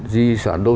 di sản đô thị